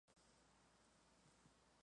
A la tarde merienda o aperitivo.